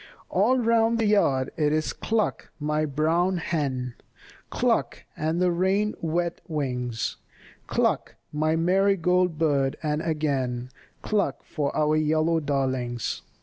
All round the yard it is cluck, my brown hen, Cluck, and the rain wet wings, Cluck, my marigold bird, and again Cluck for your yellow darlings.